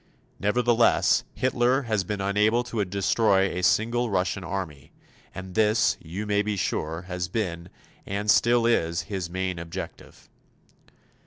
Nevertheless, Hitler has been unable to destroy a single Russian Army; and this, you may be sure, has been, and still is, his main objective.